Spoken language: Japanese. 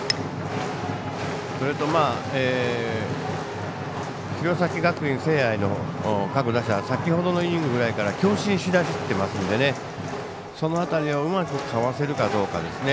それと、弘前学院聖愛の各打者先ほどのイニングぐらいから強振しだしてますのでその辺りをうまくかわせるかどうかですね。